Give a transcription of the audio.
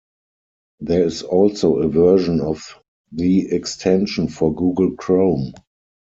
There is also a version of the extension for Google Chrome.